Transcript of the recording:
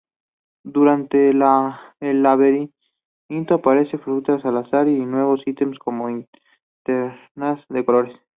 Durante el laberinto aparecen frutas al azar y nuevos ítems, como linternas de colores.